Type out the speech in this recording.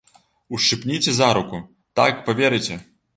Ушчыпніце за руку, так паверыце.